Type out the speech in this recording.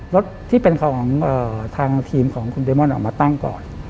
รถที่เป็นของทางทีมของคุณเดมอนออกมาตั้งก่อน